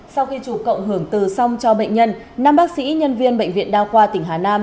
sau khi chủ cộng hưởng từ xong cho bệnh nhân năm bác sĩ nhân viên bệnh viện đa khoa tỉnh hà nam